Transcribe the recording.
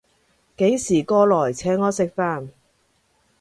幾時過來請我食飯